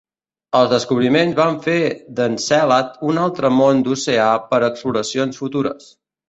Els descobriments van fer d'Encèlad un altre món d'oceà per a exploracions futures.